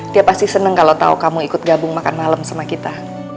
dia pasti senang kalau tahu kamu ikut gabung makan malam sama kita